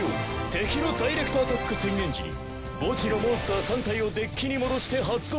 敵のダイレクトアタック宣言時に墓地のモンスター３体をデッキに戻して発動。